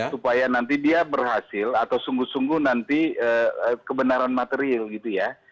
supaya nanti dia berhasil atau sungguh sungguh nanti kebenaran material gitu ya